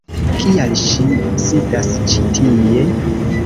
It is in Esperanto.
Kial ŝi sidas ĉi tie?